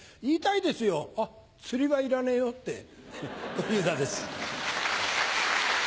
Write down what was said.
小遊三です。